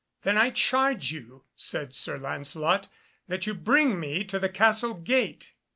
"Then I charge you," said Sir Lancelot, "that you bring me to the castle gate."